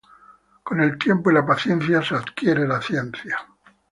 Con el tiempo y la paciencia se adquiere la ciencia.